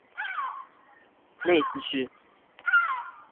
内斯屈。